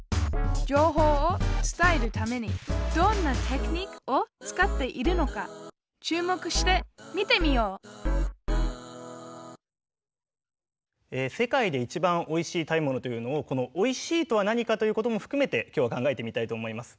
情報を伝えるためにどんなテクニックを使っているのか注目して見てみよう「世界で一番おいしい食べ物」というのをこの「おいしい」とは何かということもふくめてきょうは考えてみたいと思います。